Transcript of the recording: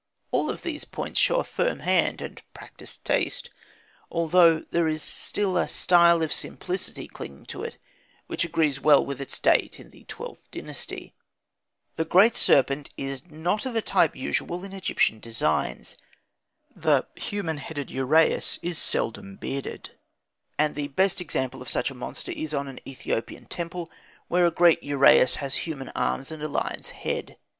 All of these points show a firm hand and practised taste, although there is still a style of simplicity clinging to it which agrees well to its date in the XIIth Dynasty. The great serpent is not of a type usual in Egyptian designs. The human headed uraeus is seldom bearded; and the best example of such a monster is on an Ethiopian temple, where a great uraeus has human arms and a lion's head.